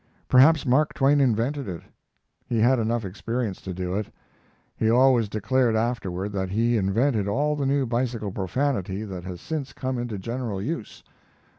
Perhaps Mark Twain invented it. He had enough experience to do it. He always declared afterward that he invented all the new bicycle profanity that has since come into general use.